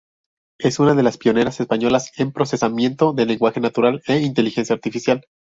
Es una de las pioneras españolas en procesamiento del lenguaje natural e inteligencia artificial.